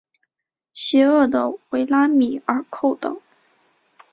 邪恶的维拉米尔寇等。